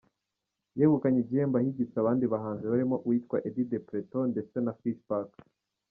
Yegukanye igihembo ahigitse abandi bahanzi barimo uwitwa Eddy de Pretto ndetse na Fishbach.